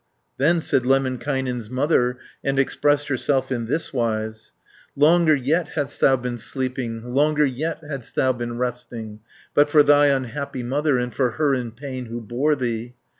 Then said Lemminkainen's mother. And expressed herself in thiswise: "Longer yet hadst thou been sleeping, Longer yet hadst thou been resting, But for thy unhappy mother, But for her in pain who bore thee.